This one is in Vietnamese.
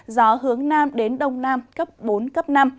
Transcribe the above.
gió hướng nam đến đông nam cấp bốn cấp năm